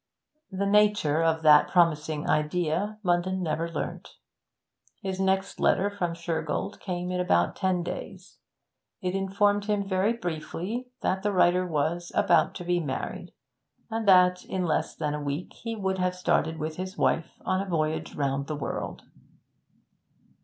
The nature of that promising idea Munden never learnt. His next letter from Shergold came in about ten days; it informed him very briefly that the writer was 'about to be married,' and that in less than a week he would have started with his wife on a voyage round the world.